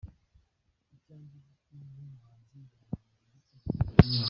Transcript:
Ku cyanjye giti nk’umuhanzi birankomeza ndetse bikanyubaka.